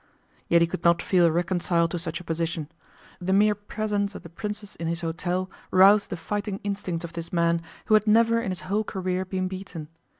Yet he could not feel reconciled to such a position. The mere presence of the princes in his hotel roused the fighting instincts of this man, who had never in his whole career been beaten.